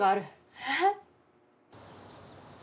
えっ？